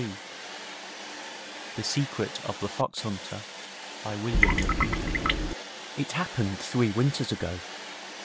au Title: The Secret of the Fox Hunter Author: William Le Queux It happened three winters ago.